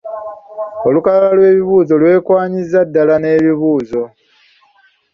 Olukalala lw’ebibuuzo lwekwanyiza ddala n’ebibuuzo.